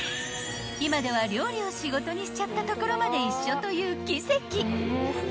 ［今では料理を仕事にしちゃったところまで一緒という奇跡］